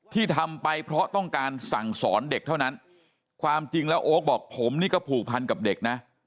ที่ทำไปเพราะต้องการสั่งสอนเด็กเท่านั้นความจริงแล้วโอ๊คบอกผมนี่ก็ผูกพันกับเด็กนะ